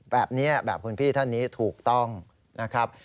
แบบนี้แบบคุณพี่ท่านนี้ถูกต้องนะครับ